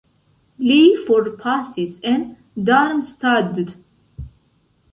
Li forpasis en Darmstadt.